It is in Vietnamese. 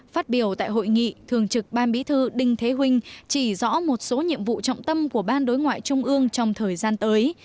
phát biểu tại hội nghị thường trực ban bí thư đinh thế huynh chỉ rõ một số nhiệm vụ trọng tâm của ban đối ngoại trung ương trong thời gian tới